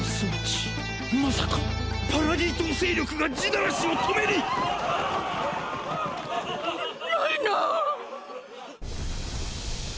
まさか⁉パラディ島勢力が「地鳴らし」を止めに⁉ライナー！！